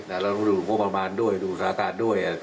เราต้องดูประมาณด้วยดูสถาบันด้วย